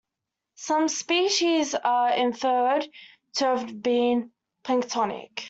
Some species are inferred to have been planktonic.